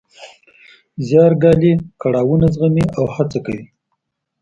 زیار ګالي، کړاوونه زغمي او هڅه کوي.